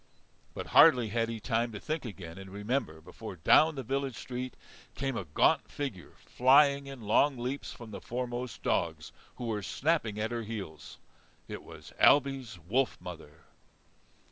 But hardly had he time to think again and remember before down the village street came a gaunt figure, flying in long leaps from the foremost dogs who were snapping at her heels. It was Ailbe's wolf mother.